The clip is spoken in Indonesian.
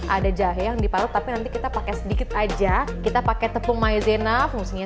ada jahe yang diparut tapi nanti kita pakai sedikit aja kita pakai tepung maizena fungsinya